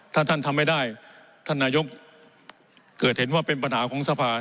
ถ้าท่านทำไม่ได้ท่านนายกเกิดเห็นว่าเป็นปัญหาของสภา